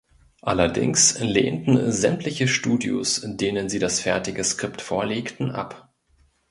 Allerdings lehnten sämtliche Studios, denen sie das fertige Skript vorlegten, ab.